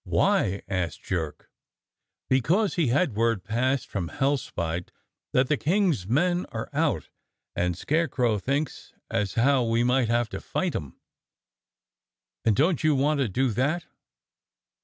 "Why?" asked Jerk. "Because he's had word passed from Hellspite that the King's men are out, and Scarecrow thinks as how we may have to fight 'em." "And don't you want to do that?"